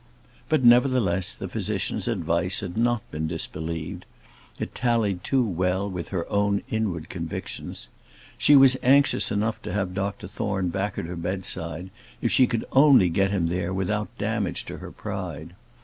But, nevertheless, the physician's advice had not been disbelieved: it tallied too well with her own inward convictions. She was anxious enough to have Doctor Thorne back at her bedside, if she could only get him there without damage to her pride.